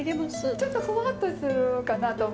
ちょっとふわっとするかなと思う。